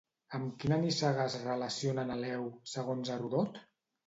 Amb quina nissaga es relaciona Neleu, segons Herodot?